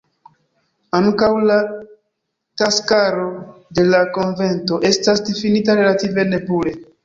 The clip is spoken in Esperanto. Ankaŭ la taskaro de la konvento estas difinita relative nebule.